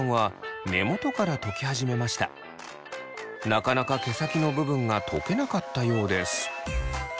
なかなか毛先の部分がとけなかったようです。